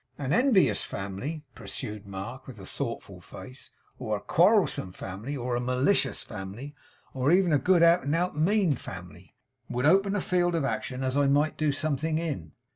'An envious family,' pursued Mark, with a thoughtful face; 'or a quarrelsome family, or a malicious family, or even a good out and out mean family, would open a field of action as I might do something in.